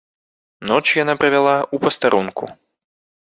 Ноч яна правяла ў пастарунку.